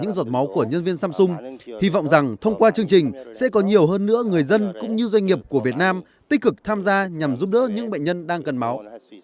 chúng tôi cũng mong muốn thông qua việc chia sẻ những giọt máu của nhân viên samsung hy vọng rằng thông qua chương trình sẽ có nhiều hơn nữa người dân cũng như doanh nghiệp của việt nam tích cực tham gia nhằm giúp đỡ những bệnh nhân đang cần máu